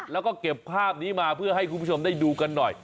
แล้วก็เก็บภาพนี้มาเพื่อให้คุณผู้ชมได้ดูกันหน่อย